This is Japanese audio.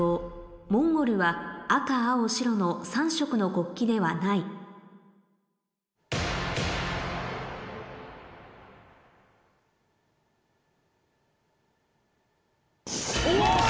モンゴルは赤青白の３色の国旗ではないお！